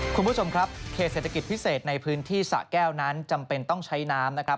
คุณผู้ชมครับเขตเศรษฐกิจพิเศษในพื้นที่สะแก้วนั้นจำเป็นต้องใช้น้ำนะครับ